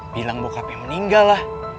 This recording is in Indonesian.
bilang bokapnya meninggal lah